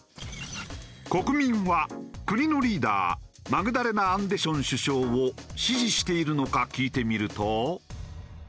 国民は国のリーダーマグダレナ・アンデション首相を支持しているのか聞いてみると。